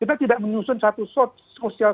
kita tidak menyusun satu setting sosial